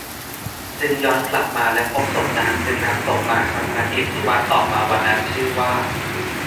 จึงย้อนกลับมาและพบศพนางจึงนำศพมาฌาปนกิจที่วัดต่อมาวันนั้นชื่อว่า